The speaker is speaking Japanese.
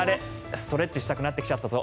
ストレッチしたくなっちゃったぞ。